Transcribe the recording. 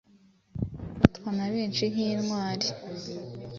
ufatwa na benshi nk’intwari